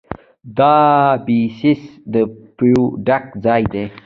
د ابسیس د پیو ډک ځای دی.